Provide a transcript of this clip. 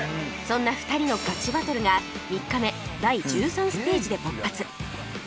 そんな２人のガチバトルが３日目第１３ステージで勃発